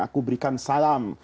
aku berikan salam